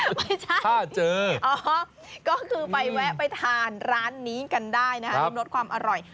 ไม่ใช่ถ้าเจออ๋อก็คือไปแวะไปทานร้านนี้กันได้นะคะต้องลดความอร่อย